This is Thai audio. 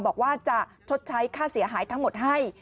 บอกว่าจะชดใช้ค่าเสียหายทั้งหมดให้